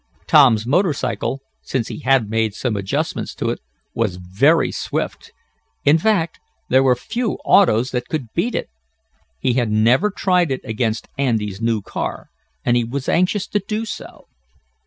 Tom's motor cycle, since he had made some adjustments to it, was very swift. In fact there were few autos that could beat it. He had never tried it against Andy's new car, and he was anxious to do so.